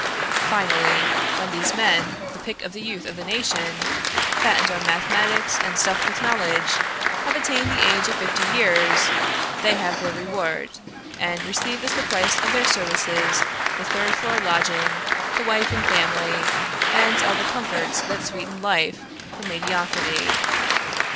Finally, when these men, the pick of the youth of the nation, fattened on mathematics and stuffed with knowledge, have attained the age of fifty years, they have their reward, and receive as the price of their services the third floor lodging, the wife and family, and all the comforts that sweeten life for mediocrity.